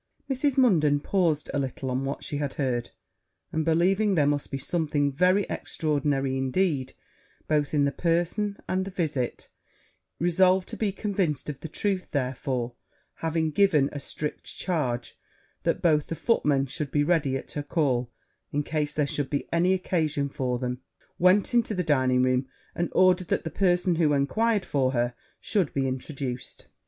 Mrs. Munden paused a little on what she had heard; and believing there must be something very extraordinary indeed, both in the person and the visit, resolved to be convinced of the truth; therefore, having given a strict charge that both the footmen should be ready at her call in case there should be any occasion for them, went into the dining room, and ordered that the person who enquired for her should be introduced.